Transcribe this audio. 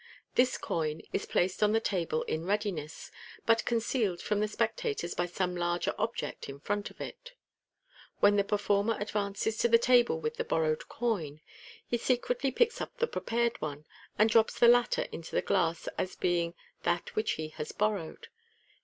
This coin is placed on the table in readiness, but con cealed from the spectators by some larger object in front of it. When the performer advances to the table with the borrowed coin, he secretly picks up the prepared one, and drops the latter into the glass as being that which he has borrowed.